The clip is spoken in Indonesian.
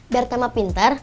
biar sama pintar